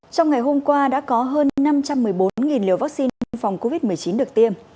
trong ngày hôm qua đã có hơn năm trăm một mươi bốn liều vaccine phòng covid một mươi chín được tiêm